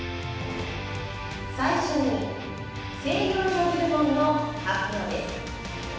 最初に西洋料理部門の発表です。